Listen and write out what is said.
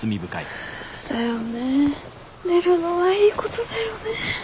寝るのはいいことだよね。